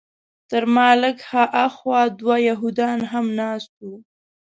تر ما لږ هاخوا دوه یهودان هم ناست وو.